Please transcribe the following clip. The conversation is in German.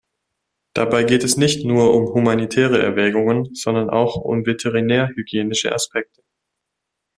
Dabei geht es nicht nur um humanitäre Erwägungen, sondern auch um veterinärhygienische Aspekte.